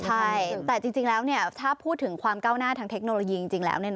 ใช่แต่จริงแล้วถ้าพูดถึงความก้าวหน้าทางเทคโนโลยีจริงแล้ว